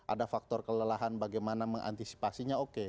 ada faktor kelelahan bagaimana mengantisipasinya oke